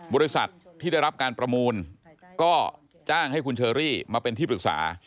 บริษัทที่ได้รับการประมูลก็จ้างให้คุณเชอรี่มาเป็นที่ปรึกษา